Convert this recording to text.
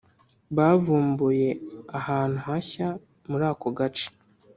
Bavumbuye ahantu hashya muri ako gace